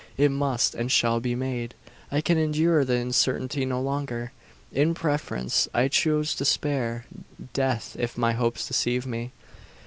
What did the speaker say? It must, and shall be made. I can endure the uncertainty no longer. In preference I choose despair death, if my hopes deceive me!